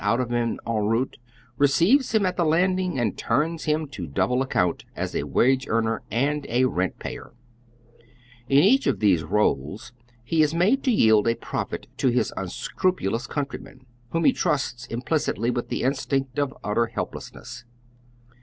out of him en route, receives him at the landing and turns him to double account as a wage earner and a rent payer. In each of these roles he is made to yield a profit to his unscrupnlous countryman, whom he trusts implicitly with the instinct of utter helplessness.